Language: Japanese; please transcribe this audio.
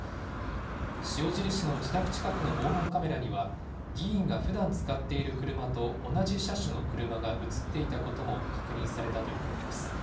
塩尻市の自宅近くの防犯カメラには、議員がふだん使っている車と同じ車種の車が写っていたことも確認されたということです。